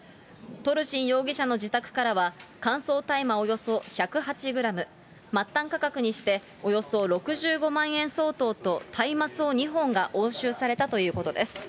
トルシン容疑者の自宅からは、乾燥大麻およそ１０８グラム、末端価格にしておよそ６５万円相当と大麻草２本が押収されたということです。